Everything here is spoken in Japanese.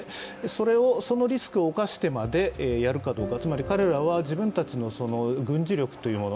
そのリスクを冒してまでやるかどうか、つまり彼らは自分たちの軍事力というもの